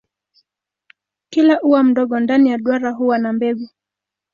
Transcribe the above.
Kila ua mdogo ndani ya duara huwa na mbegu.